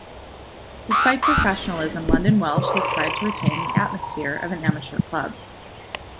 Despite professionalism, London Welsh has tried to retain the atmosphere of an amateur club.